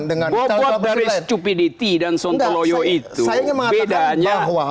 buat dari stupidity dan sontoloyo itu bedanya